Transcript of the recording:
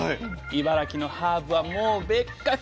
茨城のハーブはもう別格！